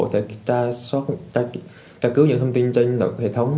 để tra cứu những thông tin trên hệ thống